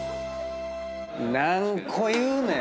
何個言うねん！